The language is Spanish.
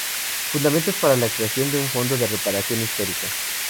Fundamentos para la creación de un Fondo de Reparación Histórica.